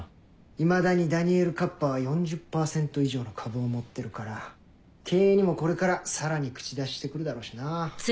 いまだにダニエル・カッパーは４０％以上の株を持ってるから経営にもこれからさらに口出しして来るだろうしな。